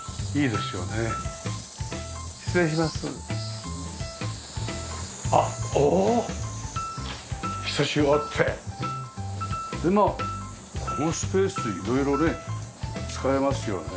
でまあこのスペースって色々ね使えますよね。